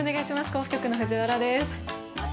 甲府局の藤原です。